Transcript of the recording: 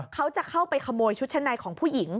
เขาจะเข้าไปขโมยชุดชั้นในของผู้หญิง